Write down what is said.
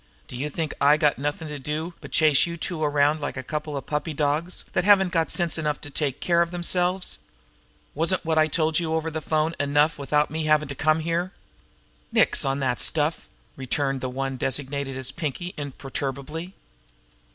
Do you think I got nothing else to do but chase you two around like a couple of puppy dogs that haven't got sense enough to take care of themselves? Wasn't what I told you over the phone enough without me havin' to come here?" "Nix on that stuff!" returned the one designated as Pinkie imperturbably.